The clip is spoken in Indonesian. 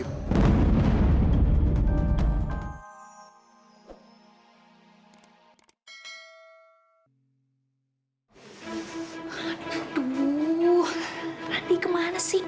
aduh randy kemana sih